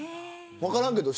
分からんけど。